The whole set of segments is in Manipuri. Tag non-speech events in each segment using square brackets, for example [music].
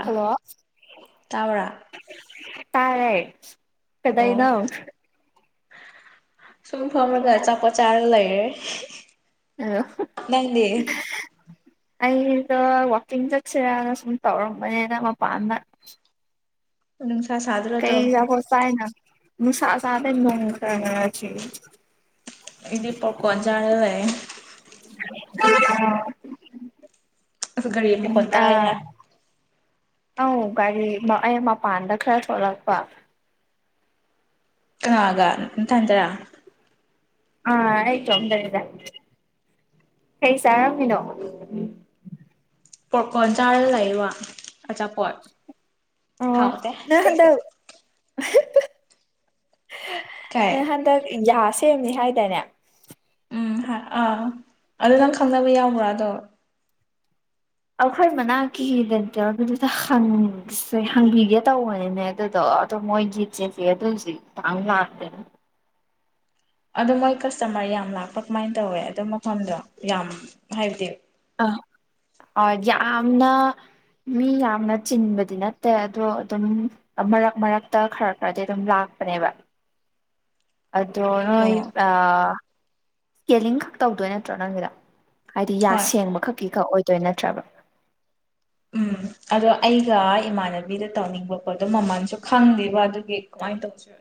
ꯍꯜꯂꯣ ꯇꯥꯕꯔꯥ ꯇꯥꯔꯦ ꯀꯗꯩꯅꯣ ꯁꯨꯝ ꯐꯝꯔꯒ ꯑꯆꯥꯄꯣꯠ ꯆꯥꯔꯒ ꯂꯩꯔꯦ ꯑ ꯅꯅꯦ ꯑꯩꯗꯣ ꯋꯥꯛꯀꯤꯡ ꯆꯠꯁꯤꯔꯥꯅ ꯁꯨꯝ ꯇꯧꯔꯝꯕꯅꯤꯅ ꯃꯄꯥꯟꯗ ꯎ ꯀꯩ ꯑꯆꯥꯄꯣꯠ ꯆꯥꯏꯅꯣ ꯅꯨꯡꯁꯥ ꯁꯥꯕꯩ ꯅꯣꯡ ꯈꯔ ꯈꯔ ꯆꯨꯏ ꯑꯩꯗꯤ ꯄꯦꯞꯀꯣꯟ ꯆꯥꯔꯥ ꯂꯩ ꯑꯣ ꯑ ꯒꯥꯔꯤ ꯃꯈꯣꯟ ꯇꯥꯏꯅꯦ ꯑꯧ ꯒꯥꯔꯤ ꯑꯩ ꯃꯄꯥꯟꯗ ꯈꯔ ꯊꯣꯛꯂꯛꯄ ꯀꯅꯥꯒ ꯅꯊꯟꯇꯔꯥ ꯑꯥ ꯑꯩ ꯏꯇꯣꯝ ꯇꯥꯅꯤꯗꯥ ꯀꯩ ꯆꯥꯔꯝꯃꯤꯅꯣ ꯄꯣꯞꯀꯣꯟ ꯆꯥꯔ ꯂꯩꯕ ꯑꯆꯥꯄꯣꯠ ꯑꯣ ꯍꯥꯎꯇꯦ ꯅꯣꯏ ꯍꯟꯗꯛ ꯀꯥꯏ ꯅꯪ ꯍꯟꯗꯛ ꯌꯥꯁꯤ ꯁꯦꯝꯅꯤ ꯍꯥꯏꯇꯥꯅꯦ ꯎꯝ ꯑꯥ ꯑꯗꯨ ꯅꯪ ꯈꯅꯕ ꯌꯥꯎꯕ꯭ꯔꯥ ꯗꯣ ꯑꯩꯈꯣꯏ ꯃꯅꯥꯛꯀꯤ ꯗꯦꯟꯇꯦꯜꯒꯤꯗꯨꯗ ꯍꯪꯁꯦ ꯍꯪꯕꯤꯒꯦ ꯇꯧꯕꯅꯤꯅꯦ ꯑꯗꯨꯗꯣ ꯑꯗꯨꯗꯣ ꯃꯣꯏꯒꯤ ꯆꯦꯁꯦ ꯑꯗꯨꯁꯨ ꯍꯧꯖꯤꯛ ꯄꯥꯛꯅꯂꯥꯛꯗꯦꯅꯦ ꯑꯗꯣ ꯃꯣꯏ ꯀꯁꯇꯃꯔ ꯌꯥꯝ ꯂꯥꯛꯄ ꯀꯃꯥꯏꯅ ꯇꯧꯋꯦ ꯑꯗꯨ ꯃꯐꯝꯗꯣ ꯌꯥꯝ ꯍꯥꯏꯕꯗꯤ ꯑ ꯑ ꯌꯥꯝꯅ ꯃꯤ ꯌꯥꯝꯅ ꯆꯤꯟꯕꯗꯤ ꯅꯠꯇꯦ ꯑꯗꯣ ꯑꯗꯨꯝ ꯃꯔꯛ ꯃꯔꯛꯇ ꯈꯔ ꯈꯔꯗꯤ ꯑꯗꯨꯝ ꯂꯥꯛꯄꯅꯦꯕ ꯑꯗꯣ ꯅꯣꯏ ꯑꯣ ꯑ ꯀꯤꯂꯤꯡ ꯈꯛ ꯇꯧꯗꯣꯏ ꯅꯠꯇ꯭ꯔꯣ ꯅꯪꯒꯤꯗꯣ ꯍꯥꯏꯗꯤ ꯌꯥ ꯍꯣꯏ ꯁꯦꯡꯕ ꯈꯛꯀꯤ ꯈꯛ ꯑꯣꯏ ꯑꯗꯨ ꯅꯠꯇ꯭ꯔꯕ ꯎꯝ ꯑꯗꯣ ꯑꯩꯒ ꯏꯃꯥꯟꯅꯕꯤꯗ ꯇꯧꯅꯤꯡꯕ ꯄꯣꯠꯇꯣ ꯃꯃꯜꯁꯨ ꯈꯪꯗꯦꯕ ꯑꯗꯨꯒꯤ ꯀꯃꯥꯏꯅ ꯇꯧꯁꯤꯔ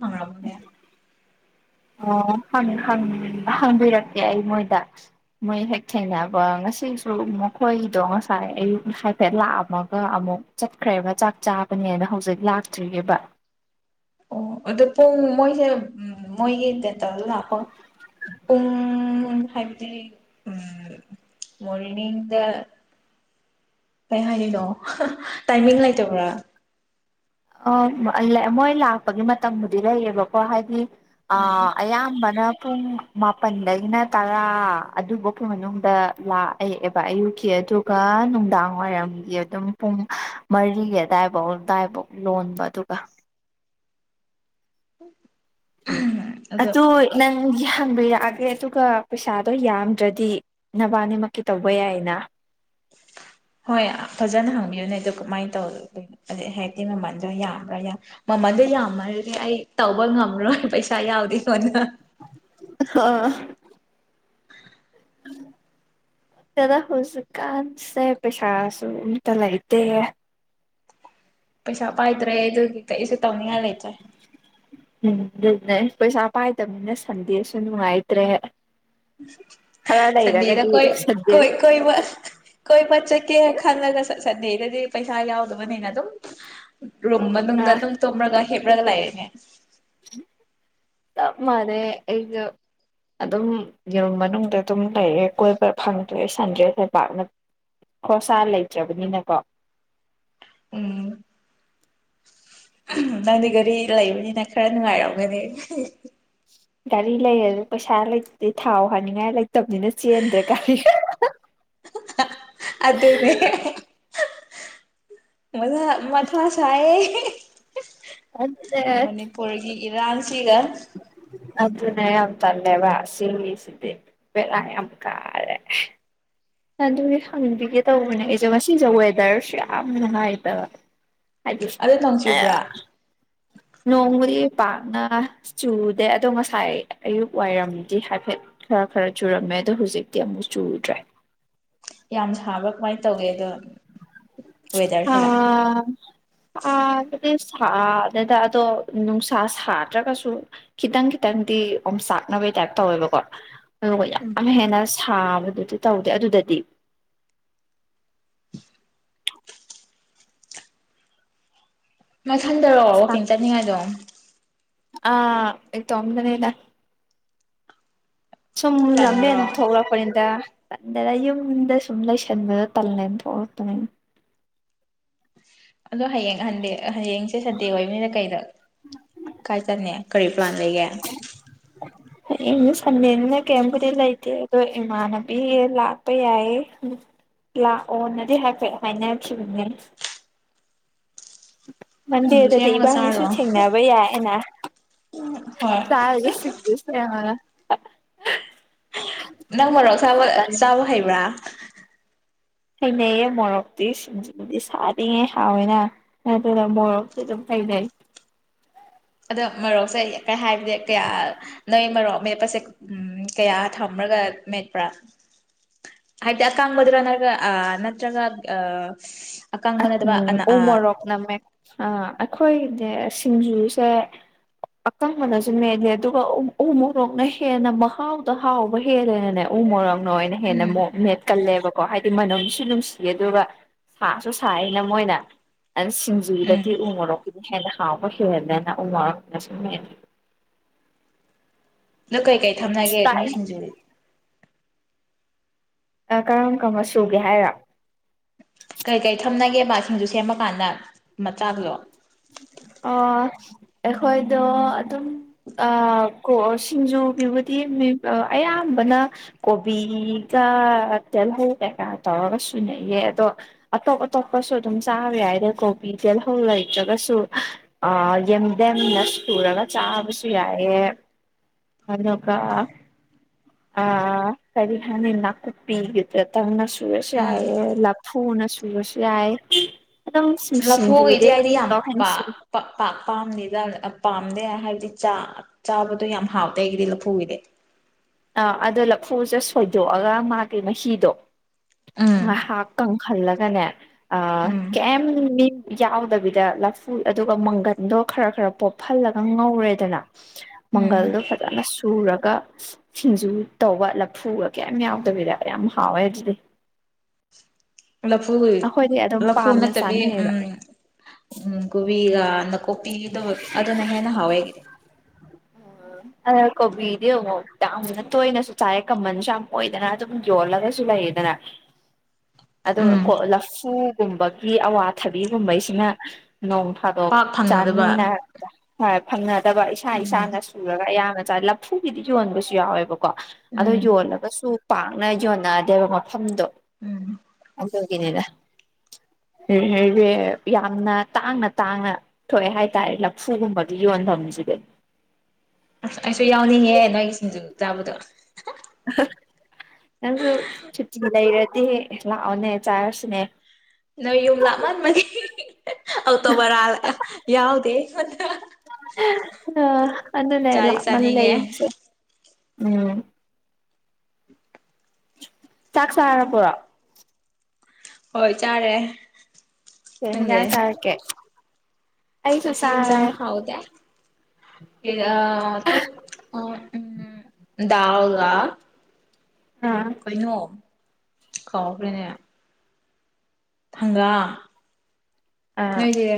ꯍꯪꯉꯝꯕꯅꯦ ꯑꯣ ꯍꯪꯕꯤꯔꯛꯀꯦ ꯑꯩ ꯃꯣꯏꯗ ꯃꯣꯏ ꯍꯦꯛ ꯊꯦꯡꯅꯕ ꯉꯁꯤꯁꯨ ꯃꯈꯣꯏꯗꯣ ꯉꯁꯥꯏ ꯑꯌꯨꯛ ꯍꯥꯏꯐꯦꯠ ꯂꯥꯛꯑꯝꯃꯒ ꯑꯃꯨꯛ ꯆꯠꯈ꯭ꯔꯦꯕ ꯆꯥꯛ ꯆꯥꯕꯅꯦꯅ ꯍꯧꯖꯤꯛ ꯂꯥꯛꯇ꯭ꯔꯤꯕ ꯑꯣ ꯑꯗꯨꯗꯣ ꯄꯨꯡ ꯃꯣꯏꯁꯦ ꯃꯣꯏꯒꯤ ꯗꯦꯟꯇꯦꯟ ꯂꯥꯛꯄ ꯄꯨꯡ ꯍꯥꯏꯕꯗꯤ ꯎ ꯃꯣꯔꯅꯤꯡꯗ ꯀꯩ ꯍꯥꯏꯔꯤꯅꯣ ꯇꯥꯏꯃꯤꯡ ꯂꯩꯇꯕ꯭ꯔꯥ ꯑ ꯃꯣꯏ ꯂꯥꯛꯄꯒꯤ ꯃꯇꯝꯕꯨꯗꯤ ꯂꯩꯌꯦꯕꯀꯣ ꯍꯥꯏꯗꯤ ꯑ ꯑꯌꯥꯝꯕꯅ ꯄꯨꯡ ꯃꯥꯄꯜꯗꯒꯤꯅ ꯇꯔꯥ ꯑꯗꯨꯐꯧꯒꯤ ꯃꯅꯨꯡꯗ ꯂꯥꯛꯑꯑꯦꯕ ꯑꯌꯨꯛꯀꯤ ꯑꯗꯨꯒ ꯅꯨꯡꯗꯥꯡꯋꯥꯏꯔꯝꯒꯤ ꯑꯗꯨꯝ ꯄꯨꯡ ꯃꯔꯤꯒꯤ ꯑꯗꯨꯋꯥꯏꯐꯧ ꯑꯗꯨꯋꯥꯏꯐꯧ ꯂꯣꯟꯕ ꯑꯗꯨꯒ [inaudible] ꯑꯗꯣ ꯅꯪ ꯍꯪꯕꯤꯔꯛꯑꯒꯦ ꯑꯗꯨꯒ ꯄꯩꯁꯥꯗꯣ ꯌꯥꯝꯗ꯭ꯔꯗꯤ ꯅꯕꯥꯅꯤꯃꯛꯀꯤ ꯇꯧꯕ ꯌꯥꯏꯅ ꯍꯣꯏ ꯐꯖꯅ ꯍꯪꯕꯤꯌꯨꯅꯦ ꯑ ꯑꯗꯨ ꯀꯃꯥꯏꯅ ꯇꯧꯅꯣ ꯑꯗꯨ ꯍꯥꯏꯗꯤ ꯃꯃꯜꯗꯣ ꯌꯥꯝꯕ꯭ꯔꯥ ꯃꯃꯜꯗꯣ ꯌꯥꯝꯃꯔꯗꯤ ꯑꯩ ꯇꯧꯕ ꯉꯝꯃꯔꯣꯏ ꯄꯩꯁꯥ ꯌꯥꯎꯗꯦ ꯑꯩꯉꯣꯟꯅ ꯈꯪꯗꯦꯗꯥ ꯍꯧꯖꯤꯛꯀꯥꯟꯁꯦ ꯄꯩꯁꯥꯁꯨ ꯑꯝꯇ ꯂꯩꯥꯏꯇꯦ ꯄꯁꯥ ꯄꯥꯏꯗ꯭ꯔꯦ ꯑꯗꯨꯒꯤ ꯀꯩꯁꯨ ꯇꯧꯅꯤꯡꯉꯥꯏ ꯂꯩꯇ꯭ꯔꯦ ꯎꯝ ꯑꯗꯨꯅꯦ ꯄꯩꯁꯥ ꯄꯥꯏꯗꯕꯅꯤꯅ ꯁꯟꯗꯦꯁꯨ ꯅꯨꯡꯉꯥꯏꯇ꯭ꯔꯦ ꯈꯔ ꯁꯟꯗꯦꯗ ꯂꯩꯔꯒꯗꯤ ꯀꯣꯏ ꯁꯟꯗꯦ ꯀꯣꯏꯕ ꯀꯣꯏꯕ ꯆꯠꯀꯦꯅ ꯈꯪꯜꯂꯒ ꯁꯟꯗꯦ ꯗꯗꯤ ꯄꯩꯁꯥ ꯌꯥꯎꯗꯕꯅꯤꯅ ꯑꯗꯨꯝ ꯔꯨꯝ ꯃꯅꯨꯡꯗ ꯑꯗꯨꯝ ꯇꯨꯝꯃ ꯂꯩ ꯍꯦꯕ꯭ꯔꯒ ꯂꯥꯏꯔꯦ ꯃꯥꯅꯦ ꯑꯩꯒ ꯑꯗꯨꯝ ꯌꯦꯔꯨꯝ ꯃꯅꯨꯡꯗ ꯑꯗꯨꯝ ꯂꯩꯔꯦ ꯀꯣꯏꯕ ꯐꯪꯗ꯭ꯔꯦ ꯁꯟꯗꯦꯁꯨ ꯄꯥꯛꯅ ꯈꯣꯔꯁꯥ ꯂꯩꯇ꯭ꯔꯕꯅꯤꯅꯀꯣ ꯎꯝ ꯅꯪꯗꯤ ꯒꯥꯔꯤ ꯂꯩꯕꯅꯤꯅ ꯈꯔ ꯅꯨꯡꯉꯥꯏꯔꯝꯒꯅꯤ ꯒꯥꯔꯤ ꯂꯩꯔꯖꯨ ꯄꯩꯁꯥ ꯂꯩꯇ ꯊꯥꯎ ꯍꯥꯏꯅꯤꯡꯉꯥꯏ ꯂꯩꯇ ꯇꯕꯅꯤꯅ ꯆꯦꯟꯗ꯭ꯔꯦ ꯒꯥꯔꯤꯒ ꯃꯖꯥ ꯃꯊꯥ ꯁꯥꯏꯌꯦ ꯑꯗꯨꯅꯦ ꯔꯥꯡ ꯑꯗꯨꯅꯦ ꯇꯜꯂꯦꯕ ꯁꯤꯒꯤꯁꯤꯗꯤ ꯕꯦꯔꯥ ꯌꯥꯝ ꯀꯥꯔꯦ ꯑꯗꯨꯗꯤ ꯍꯪꯕꯤꯒꯦ ꯇꯧꯕꯅꯦ ꯑꯩꯁꯨ ꯉꯁꯤꯖꯨ ꯋꯦꯗꯔꯁꯨ ꯌꯥꯝ ꯅꯨꯡꯉꯥꯏꯕ ꯑꯗꯣ ꯅꯣꯡ ꯆꯨꯕ꯭ꯔꯥ ꯅꯣꯡꯕꯨꯗꯤ ꯄꯥꯛꯅ ꯆꯨꯗꯦ ꯑꯗꯣ ꯉꯁꯥꯏ ꯑꯌꯨꯛ ꯋꯥꯏꯔꯝꯗꯤ ꯍꯥꯏꯐꯦꯠ ꯈꯔ ꯈꯔ ꯆꯨꯔꯝꯃꯦ ꯑꯗꯣ ꯍꯧꯖꯤꯛꯇꯤ ꯑꯃꯨꯛ ꯆꯨꯗ꯭ꯔꯦ ꯌꯥꯝ ꯁꯥꯕ꯭ꯔ ꯀꯃꯥꯢ ꯇꯧꯒꯦ ꯑꯗꯣ ꯑ ꯋꯦꯗꯔꯁꯦ ꯑ ꯁꯥꯗꯦꯗ ꯑꯗꯣ ꯅꯨꯡꯁꯥ ꯁꯥꯗ꯭ꯔꯒꯁꯨ ꯈꯤꯇꯪ ꯈꯤꯇꯪꯗꯤ ꯑꯣꯝꯆꯥꯛꯅꯕꯒꯤ ꯇꯥꯏꯞ ꯇꯧꯋꯦꯕꯀꯣ ꯑꯗꯨꯒ ꯌꯥꯝ ꯍꯦꯟꯅꯁ ꯁꯥꯕꯗꯨꯗꯤ ꯇꯧꯗꯦ ꯑꯗꯨꯗꯗꯤ ꯃꯊꯟꯗꯔꯣ ꯋꯥꯛꯀꯤꯡ ꯆꯠꯅꯤꯡꯉꯥꯏꯗꯣ ꯑ ꯏꯇꯣꯝꯗꯅꯤꯗ ꯁꯨꯝ ꯂꯝꯕꯦꯟ ꯇꯟꯗ꯭ꯔꯣ ꯊꯣꯛꯂꯛꯄꯅꯤꯗ ꯇꯟꯗꯦꯅ ꯌꯨꯝꯗ ꯁꯨꯝ ꯂꯩꯁꯟꯕꯗꯣ ꯇꯜꯂꯦꯅ ꯊꯣꯛꯂꯛꯄꯅꯤꯗ ꯑꯗꯣ ꯍꯌꯦꯡ ꯁꯟꯗꯦ ꯍꯌꯦꯡꯁꯦ ꯁꯟꯗꯦ ꯑꯣꯏꯕꯅꯤꯅ ꯀꯩꯗ ꯀꯥꯏ ꯆꯠꯅꯤ ꯀꯔꯤ ꯄ꯭ꯂꯥꯟ ꯂꯩꯒꯦ ꯍꯌꯦꯡ ꯁꯟꯗꯦꯟꯅꯤꯅ ꯀꯩꯝꯕꯨꯗꯤ ꯂꯩꯇꯦ ꯑꯗꯣ ꯏꯃꯥꯟꯅꯕꯤ ꯂꯥꯛꯄ ꯌꯥꯏꯌꯦ ꯂꯥꯛꯑꯣꯅꯗꯤ ꯍꯥꯏꯐꯦꯠ ꯍꯥꯏꯅꯈꯤꯕꯅꯦ ꯁꯤꯡꯖꯨ ꯃꯟꯗꯦꯗꯗꯤ ꯁꯦꯝꯃꯒ ꯏꯕꯥꯅꯤꯁꯨ ꯆꯥꯔꯣ ꯊꯦꯡꯅꯕ ꯌꯥꯏꯅ ꯍꯣꯏ ꯆꯥꯔꯒ ꯁꯤꯡꯁꯨ ꯍꯥ ꯍꯥ ꯅꯪ ꯃꯔꯣꯛ ꯑꯁꯥꯕ ꯆꯥꯕ ꯍꯩꯕ꯭ꯔꯥ ꯍꯩꯅꯩꯌꯦ ꯃꯣꯔꯣꯛꯇꯤ ꯁꯤꯡꯖꯨꯗꯤ ꯁꯥꯔꯤꯒꯩ ꯍꯥꯎꯋꯦꯅ ꯑꯗꯨꯅ ꯃꯣꯔꯣꯛꯇꯤ ꯑꯗꯨꯝ ꯍꯩꯅꯩ ꯑꯗꯣ ꯃꯔꯣꯛꯁꯦ ꯑꯩ ꯀꯩ ꯍꯥꯏꯕꯗꯤ ꯀꯌꯥ ꯅꯣꯏ ꯃꯔꯣꯛ ꯃꯦꯠꯄꯁꯦ ꯎ ꯀꯌꯥ ꯊꯝꯔꯒ ꯃꯦꯠꯄ꯭ꯔꯥ ꯍꯥꯏꯕꯗꯤ ꯑꯀꯥꯡꯕꯗꯨꯔꯥ ꯅꯠꯇꯔꯒ ꯅꯠꯇ꯭ꯔꯒ ꯑ ꯑ ꯎꯝ ꯎꯨ ꯃꯔꯣꯛꯅ ꯃꯦꯠ ꯑ ꯑꯩꯈꯣꯏꯅꯦ ꯁꯤꯡꯖꯨꯁꯦ ꯑꯀꯪꯕꯅꯁꯨ ꯃꯦꯠꯂꯦ ꯑꯗꯨꯒ ꯎ ꯃꯣꯔꯣꯛꯅ ꯍꯦꯟꯅ ꯃꯍꯥꯎꯗ ꯍꯥꯎꯕ ꯍꯦꯜꯂꯦꯅꯅꯦ ꯎ ꯃꯣꯔꯣꯛ ꯅꯣꯏꯅ ꯍꯦꯟꯅ ꯎꯝ ꯑꯃꯨꯛ ꯃꯦꯠ ꯀꯜꯂꯦꯕ ꯑꯣ ꯍꯥꯏꯗꯤ ꯃꯅꯨꯡꯅꯝꯁꯨ ꯅꯨꯡꯁꯤꯌꯦ ꯑꯗꯨꯒ ꯁꯥ ꯁꯨ ꯁꯥꯏꯅ ꯃꯣꯏꯅ ꯑꯗꯨꯅ ꯎꯝ ꯁꯤꯡꯖꯨꯒꯤꯗꯗꯤ ꯎꯃꯣꯔꯣꯛꯀꯤꯅ ꯍꯦꯟꯅ ꯍꯥꯎꯕ ꯍꯦꯜꯂꯦꯅ ꯎ ꯃꯣꯔꯣꯛꯅ ꯁꯨꯝ ꯃꯦꯠꯂꯦ ꯀꯩꯀꯩ ꯊꯝꯅꯒꯦ ꯅꯣꯏ ꯑꯁ ꯁꯤꯡꯖꯨꯗꯤ ꯀꯔꯝ ꯀꯔꯝꯕ ꯁꯨꯒꯦ ꯍꯥꯏꯔꯣ ꯀꯩ ꯀꯔꯤ ꯊꯝꯅꯒꯦꯕꯁꯤꯡꯗꯨ ꯁꯦꯝꯃꯀꯥꯟꯗ ꯑ ꯑꯩꯈꯣꯏꯗꯣ ꯑꯗꯨꯝ ꯁꯤꯡꯖꯨꯒꯤꯕꯨꯗꯤ ꯑꯌꯥꯝꯕꯅ ꯀꯣꯕꯤꯒ ꯇꯦꯜꯍꯧ ꯀꯩꯀꯥ ꯇꯧꯔꯒ ꯁꯨꯅꯩꯌꯦ ꯑꯗꯣ ꯑꯇꯣꯞ ꯑꯇꯣꯞꯄꯁꯨ ꯑꯗꯨꯝ ꯆꯥꯕ ꯌꯥꯏꯗ ꯀꯣꯕꯤ ꯇꯦꯜꯍꯧ ꯂꯩꯇ꯭ꯔꯒꯁꯨ ꯑ ꯌꯦꯦꯝꯗꯦꯝꯅ ꯁꯨꯔꯒ ꯆꯥꯕꯁꯨ ꯌꯥꯏꯑꯦ ꯑꯗꯨꯒ ꯑ ꯀꯔꯤ ꯍꯥꯏꯅꯤ ꯅꯥꯀꯨꯞꯄꯤꯒꯤꯗꯇꯪꯅꯁꯨ ꯁꯨꯕꯁꯨ ꯎꯝ ꯌꯥꯏꯌꯦ ꯂꯥꯞ ꯊꯨꯅ ꯁꯨꯕꯁꯨ ꯌꯥꯏ ꯑꯗꯨꯝ ꯁꯤꯡꯖꯨꯗꯤ ꯂꯐꯨꯒꯤꯗꯤ ꯑꯗꯨꯝ ꯑꯩꯗꯤ ꯂꯣꯏꯅ ꯌꯥꯝꯄꯥꯛ ꯁꯨꯏ ꯄꯥꯝ- ꯄꯥꯝꯅꯤꯗ ꯄꯥꯝꯗꯦ ꯍꯥꯏꯕꯗꯤ ꯆꯥꯕꯗꯣ ꯌꯥꯝ ꯍꯥꯎꯇꯦ ꯑꯩꯒꯤꯗꯤ ꯂꯐꯨꯒꯤꯗꯤ ꯑꯥ ꯑꯗꯣ ꯂꯐꯨꯁꯦ ꯁꯣꯏꯗꯣꯛꯑꯒ ꯃꯥꯒꯤ ꯃꯍꯤꯗꯣ ꯎꯝ ꯉꯥꯍꯥꯛ ꯀꯪ ꯈꯜꯂꯒꯅꯦ ꯑ ꯎꯝ ꯀꯦꯝ ꯌꯥꯎꯗꯕꯤꯗ ꯂꯐꯨ ꯑꯗꯨꯒ ꯃꯪꯒꯜꯗꯣ ꯈꯔ ꯈꯔ ꯄꯣꯞꯍꯜꯂꯒ ꯉꯧꯔꯦꯗꯅ ꯎꯝ ꯃꯪꯒꯜꯗꯣ ꯐꯖꯅ ꯁꯨꯔꯒ ꯁꯤꯡꯖꯨ ꯇꯧꯕ ꯂꯐꯨꯒ ꯀꯌꯤꯝ ꯌꯥꯎꯗꯕꯤꯗ ꯌꯥꯝ ꯍꯥꯎꯋꯦ ꯑꯗꯨꯗꯤ ꯂꯐꯨ ꯑꯩꯈꯣꯏꯗꯤ ꯑꯗꯨꯝ ꯂꯐꯨ ꯄꯥꯝꯅ ꯅꯠꯇꯕꯤ ꯆꯥꯅꯩꯌꯦꯕ ꯎꯝ ꯎꯝ ꯀꯣꯕꯤꯒ ꯅꯥꯀꯨꯞꯄꯤ ꯑꯗꯨꯅ ꯍꯦꯟꯅ ꯍꯥꯎꯋꯦꯒꯤꯗꯤ ꯑꯗ ꯀꯣꯕꯤꯗꯤ ꯑꯃꯨꯛ ꯌꯥꯝꯅ ꯇꯣꯏꯅꯁꯨ ꯆꯥꯏꯦ ꯀꯃꯟꯁꯨ ꯌꯥꯝ ꯑꯣꯏꯗꯅ ꯑꯗꯨꯝ ꯌꯣꯜꯂꯒꯁꯨ ꯂꯩꯌꯦꯗꯅ ꯑꯗꯨ ꯎꯝ ꯐꯨꯒꯨꯝꯕꯒꯤ ꯑꯋꯥꯊꯕꯤꯒꯨꯝꯕꯩꯁꯤꯅ ꯅꯣꯡ ꯐꯥꯗꯣꯛ ꯄꯥꯛ ꯐꯪꯅꯗꯕ ꯆꯥꯃꯤꯟꯅꯔꯛꯕꯗ ꯐꯪꯅ ꯠꯇꯕ ꯏꯁꯥ ꯎꯝ ꯏꯁꯥꯅ ꯁꯨꯔꯒ ꯑꯌꯥꯝꯕ ꯆ ꯂꯐꯨꯒꯤꯗꯤ ꯌꯍꯣꯟꯕꯁꯨ ꯌꯥꯎꯋꯦꯕ ꯀꯣ ꯑꯗꯣ ꯎꯝ ꯌꯣꯜꯂꯒꯁꯨ ꯄꯥꯛꯅ ꯌꯣꯟꯅꯗꯦꯕ ꯃꯐꯝꯗꯣ ꯎꯝ ꯑꯗꯨꯒꯤꯅꯤꯗ ꯌꯥꯝꯅ ꯇꯥꯡꯅ ꯇꯥꯡꯅ ꯊꯣꯛꯑꯦ ꯍꯥꯏꯇꯥꯔꯦ ꯂꯐꯨꯒꯨꯝꯕꯒꯤ ꯌꯣꯟꯐꯝꯁꯤꯗ ꯑꯁ ꯑꯩꯁꯨ ꯌꯥꯎꯅꯤꯡꯉꯦ ꯅꯣꯏꯒꯤ ꯁꯤꯡꯖꯨ ꯆꯥꯕꯗꯣ [inaudible] ꯅꯪꯁꯨ ꯁꯨꯇꯤ ꯂꯩꯔꯗꯤ ꯗꯤ ꯂꯥꯛꯑꯣꯅꯦ ꯆꯥꯔꯁꯤꯅꯦ ꯅꯣꯏ ꯌꯨꯝ ꯂꯥꯞꯃꯟꯃꯒꯤ ꯑꯧꯇꯣ ꯕꯔꯥ ꯌꯥꯎꯗꯦ ꯑꯩꯉꯣꯟ ꯑ ꯑꯗꯨꯅ ꯆꯥꯗꯤ ꯂꯥꯟꯃꯜꯂꯦ ꯆꯥꯅꯤꯡꯉꯦ ꯌꯦꯝꯁꯦ ꯎꯝ ꯆꯥꯛ ꯆꯥꯔꯕꯔꯣ ꯍꯣꯏ ꯆꯥꯔꯦ ꯀꯩ ꯍꯤꯡꯖꯥꯡ ꯅꯪꯗꯤ ꯆꯥꯔꯛꯀꯦ ꯑꯩꯁꯨ ꯉꯁꯤ ꯍꯦꯟꯖꯥꯡ ꯆꯥꯔꯦ ꯍꯥꯎꯗꯦ ꯎꯝ [unintelligible] ꯑꯥ ꯀꯩꯅꯣ ꯀꯥꯎꯒꯔꯦꯅꯦ ꯊꯪꯒꯥ ꯑꯥ ꯅꯣꯏꯒꯤ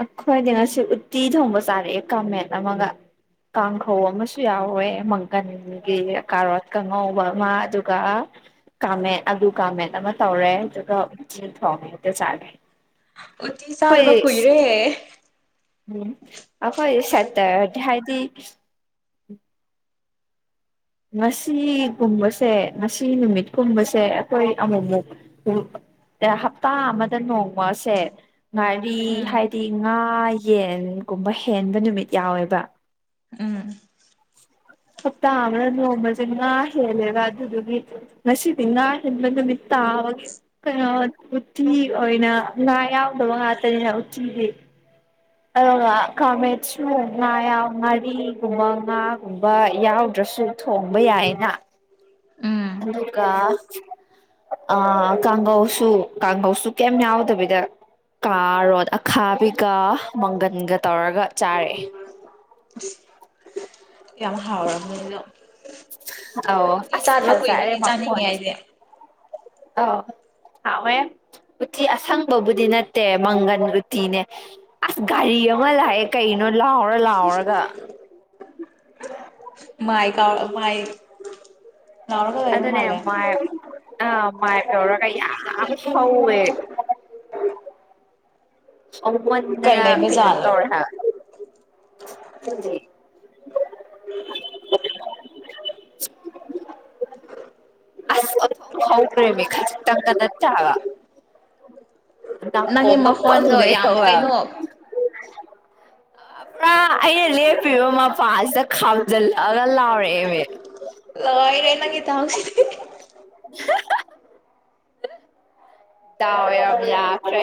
ꯑꯩꯈꯣꯏꯗꯤ ꯉꯁꯤ ꯎꯠꯇꯤ ꯊꯣꯡꯕ ꯆꯥꯔꯛꯑꯦ ꯡꯀꯥꯃꯦꯠ ꯑꯃꯒ ꯀꯥꯡꯈꯧ ꯑꯃꯁꯨ ꯌꯥꯎꯋꯦ ꯃꯪꯒꯟꯒꯤ ꯀꯥꯔꯣꯠꯀ ꯉꯧꯕ ꯑꯃ ꯑꯗꯨꯒ ꯀꯥꯡꯃꯦꯠ ꯑꯂꯨ ꯀꯥꯃꯦꯠ ꯑꯃ ꯇꯧꯔꯦ ꯑꯗꯨꯒ ꯎꯇꯤ ꯊꯣꯡ ꯍꯦꯛꯇ ꯆꯥꯔꯦ ꯎꯇꯤ ꯑꯩꯈꯣꯏ ꯆꯥꯗꯕ ꯀꯨꯏꯔꯦ ꯎꯝ ꯑꯩꯈꯣꯏ ꯁꯠ ꯇ ꯍꯥꯏꯗꯤ ꯉꯁꯤꯒꯨꯝꯕꯁꯦ ꯉꯁꯤ ꯅꯨꯃꯤꯠꯀꯨꯝꯕꯁꯦ ꯑꯩꯈꯣꯏ ꯑꯃꯨꯛꯃꯨꯛ ꯍꯞꯇꯥ ꯑꯃꯗ ꯅꯣꯡꯃꯁꯦ ꯉꯥꯔꯤ ꯎꯝ ꯍꯥꯏꯗꯤ ꯉꯥ ꯌꯦꯟꯒꯨꯝꯕ ꯍꯦꯟꯕ ꯅꯨꯃꯤꯠ ꯌꯥꯎꯋꯦꯕ ꯎꯝ ꯍꯞꯇꯥ ꯑꯃꯗ ꯅꯣꯡꯃꯁꯦ ꯉꯥ ꯍꯦꯜꯂꯦꯕ ꯑꯗꯨꯗꯨꯒꯤ ꯉꯁꯤꯗꯤ ꯉꯥ ꯍꯦꯟꯕ ꯅꯨꯃꯤꯠ ꯇꯥꯕꯒꯤ ꯀꯩꯅꯣ ꯎꯠꯇꯤ ꯑꯣꯏꯅ ꯉꯥ ꯌꯥꯎꯗꯕ ꯉꯥꯛꯇꯅꯤꯅ ꯎꯇꯤꯗꯤ ꯑꯗꯨꯒ ꯀꯥꯡꯃꯦꯠꯁꯨ ꯉꯥ ꯌꯥ ꯉꯥꯔꯤꯒꯨꯝꯕ ꯉꯥꯒꯨꯝꯕ ꯌꯥꯎꯗ꯭ꯔꯁꯨ ꯊꯣꯡꯕ ꯌꯥꯏꯌꯦꯅ ꯎꯝ ꯑꯗꯨꯒ ꯀꯥꯡꯒꯧꯁꯨ ꯀꯥꯡꯒꯧꯁꯨ ꯀꯩꯝ ꯌꯥꯎꯗꯕꯤꯗ ꯀꯥꯔꯣꯠ ꯑꯈꯥꯕꯤꯒ ꯃꯪꯒꯟꯒ ꯇꯧꯔꯒ ꯆꯥꯔꯛꯑꯦ ꯌꯥꯝ ꯍꯥꯎꯔꯝꯅꯤꯅ ꯑꯧ ꯑꯁ ꯐꯖꯔꯦ ꯀꯨꯏꯕꯒꯤ ꯆꯥꯅꯤꯡꯉꯦ ꯃꯥꯈꯣꯟꯁꯤ ꯑꯩꯗꯤ ꯑꯥꯎ ꯍꯥꯎꯋꯦ ꯎꯇꯤ ꯑꯁꯪꯕꯕꯨꯗꯤ ꯅꯠꯇꯦ ꯃꯪꯒꯟ ꯎꯇꯤꯅꯦ ꯑꯁ ꯒꯥꯔꯤ ꯑꯃ ꯂꯥꯛꯑꯦ ꯀꯩꯅꯣ ꯂꯥꯎꯔ ꯂꯥꯎꯔꯒ ꯃꯥꯥꯏ ꯀ ꯃꯥꯏ ꯂꯥꯎꯔꯒ ꯂꯩꯕ ꯑꯗꯨꯅꯦ ꯃꯥꯜꯂꯦ ꯑ ꯑ ꯃꯥꯏꯞ ꯇꯧꯔꯒ ꯌꯥꯝ ꯍꯧꯋꯦ ꯀꯩ ꯍꯧꯃꯟꯗꯅ ꯂꯩꯕ ꯀꯩꯅꯣꯝ ꯖꯥꯠꯂꯣ ꯇꯧꯔꯦ ꯍꯥꯏ [inaudible] ꯍꯧꯒꯔꯦꯃꯦ ꯈꯤꯇꯪ ꯅꯠꯇꯦꯕ ꯅꯪꯒꯤ ꯅꯥꯀꯣꯡꯒ ꯃꯈꯣꯟꯗꯣ ꯄꯪꯒꯩ ꯌꯥꯝ ꯍꯧꯋꯦꯕ ꯀꯩꯅꯣ ꯄꯨꯔꯥ ꯑꯩꯅ ꯂꯦꯞꯄꯤꯕ ꯃꯄꯥꯁꯤꯗ ꯈꯥꯝꯖꯤꯜꯂꯛꯑꯒ ꯂꯥꯎꯔꯛꯑꯦꯕ ꯇꯧꯑ ꯅꯪꯒꯤ ꯗꯥꯎꯁꯤꯗꯤ [inaudible] ꯇꯋꯦꯕ ꯌꯥꯈ꯭ꯔꯦ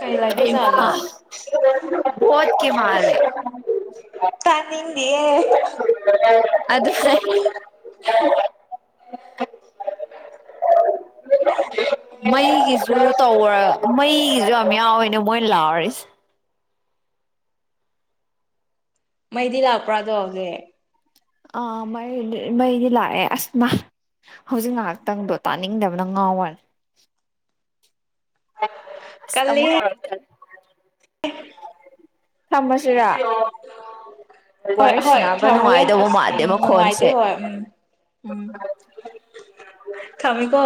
ꯀꯩ ꯂꯩꯕ ꯖꯥꯠꯂꯣ [inaudible] [inaudible] [inaudible] ꯇꯥꯅꯤꯡꯗꯤꯌꯦ ꯃꯩꯒꯤꯁꯨ ꯇꯧ ꯃꯩꯒꯤꯁꯨ ꯌꯥꯝ ꯌꯥꯎꯋꯦꯅꯦ ꯃꯣꯏ ꯂꯥꯎꯔꯤꯁꯦ ꯃꯩꯗꯤ ꯂꯥꯛꯄ꯭ꯔꯥ ꯑꯗꯣꯒꯤ ꯑꯥ ꯃꯩꯗꯤ ꯂꯥꯛꯑꯦ ꯑꯁꯅ ꯍꯧꯖꯤꯛ ꯉꯥꯏꯍꯥꯛꯇꯪꯗꯣ ꯇꯥꯅꯤꯡꯗꯕꯅ ꯉꯥꯎꯋꯅꯤ ꯀꯜꯂꯤꯍꯦ [inaudible] ꯊꯃꯁꯤꯔ ꯍꯣꯏ ꯍꯣꯏ ꯊꯝꯃꯒꯦ ꯑꯁ ꯎꯝ ꯅꯨꯡꯉꯥꯏꯇꯦ ꯃꯈꯣꯟꯁꯦ ꯍꯣꯏ ꯎꯝ ꯎꯝ ꯊꯃꯤꯀꯣ